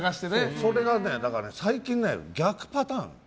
それが、最近は逆パターン。